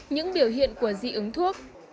những biểu hiện của dị ứng thuốc